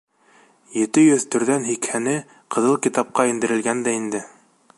Ете йөҙ төрҙән һикһәне «Ҡыҙыл китап»ҡа индерелгән дә инде.